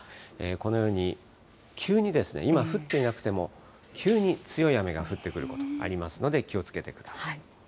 このように、急に今降っていなくても、急に強い雨が降ってくることありますので、気をつけてください。